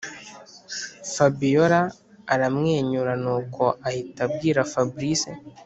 fabiora aramwenyura nuko ahita abwira fabric